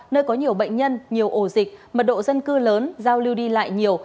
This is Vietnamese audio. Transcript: nơi có nhiều bệnh nhân nhiều ổ dịch mật độ dân cư lớn giao lưu đi lại nhiều